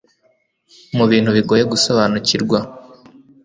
mu bintu bigoye gusobanukirwa